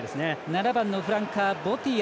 ７番、フランカーボティア。